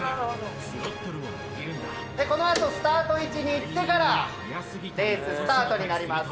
この後スタート位置に行ってからレーススタートになります。